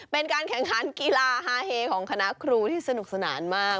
เป็นการแข่งขันกีฬาฮาเฮของคณะครูที่สนุกสนานมาก